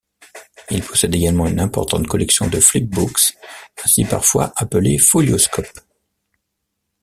Il possède également une importante collection de flip books, aussi parfois appelés folioscopes.